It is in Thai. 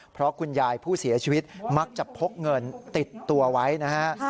เพราะคุณยายผู้เสียชีวิตมักจะพกเงินติดตัวไว้นะฮะ